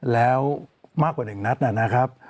แล้วมากกว่า๑นัดนะครับ